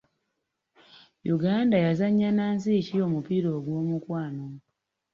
Uganda yazannya na nsi ki omupiira ogw’omukwano?